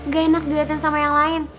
gak enak dilihatin sama yang lain